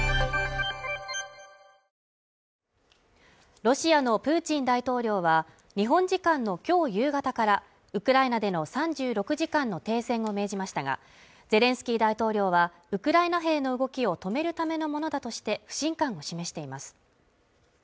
ロシアのプーチン大統領は日本時間のきょう夕方からウクライナでの３６時間の停戦を命じましたがゼレンスキー大統領はウクライナ兵の動きを止めるためのものだとして不信感を示しています